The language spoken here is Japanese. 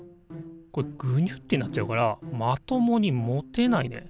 コレぐにゅってなっちゃうからまともに持てないね。